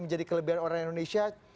menjadi kelebihan orang indonesia